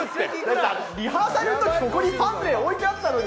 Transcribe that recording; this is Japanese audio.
リハーサルのとき、ここにパヌレ、置いてあったのに。